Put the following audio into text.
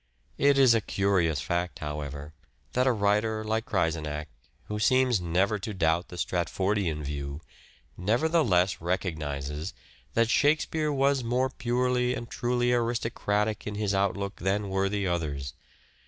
It is a curious fact, however, that a writer like Creizenach, who seems never to doubt the Stratfordian view, nevertheless recognizes that " Shakespeare " was more purely and truly aristocratic in his outlook than were the others.